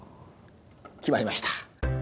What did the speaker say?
決まりました。